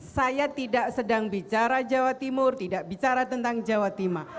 saya tidak sedang bicara jawa timur tidak bicara tentang jawa timur